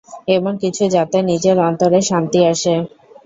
এমন কিছু যাতে নিজের অন্তরে শান্তি আসে।